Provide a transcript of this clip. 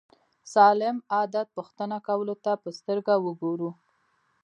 سالم عادت پوښتنه کولو ته په سترګه وګورو.